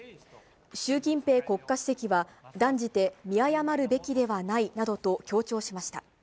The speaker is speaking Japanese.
習近平国家主席は、断じて見誤るべきではないなどと強調しました。